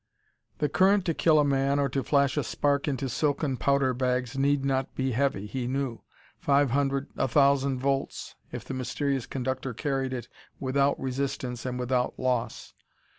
The current to kill a man or to flash a spark into silken powder bags need not be heavy, he knew. Five hundred a thousand volts if the mysterious conductor carried it without resistance and without loss.